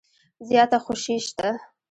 زیاته خوشي شته .